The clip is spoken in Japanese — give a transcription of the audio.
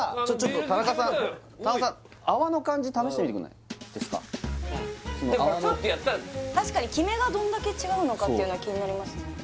ちょっと田中さんその泡のでもちょっとやったら確かにきめがどんだけ違うのかっていうのは気になりますね